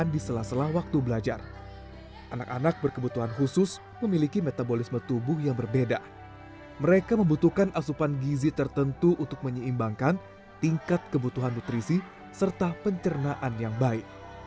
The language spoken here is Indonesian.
dalam menempuh pendidikan di sini